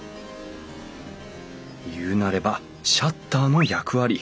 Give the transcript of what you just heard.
言うなればシャッターの役割。